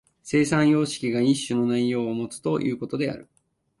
生産様式が一種の内容をもつということである。